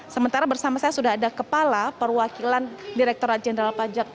sementara bersama saya sudah ada kepala perwakilan direkturat jenderal pajak